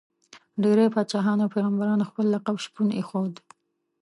ډېری پاچاهانو او پيغمبرانو خپل لقب شپون ایښود.